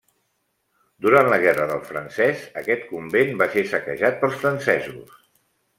Durant la Guerra del Francès, aquest convent va ser saquejat pels francesos.